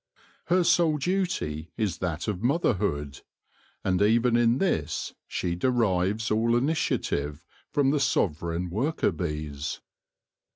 Her sole duty is that of motherhood, and even in this she derives all initiative from the sovereign worker bees.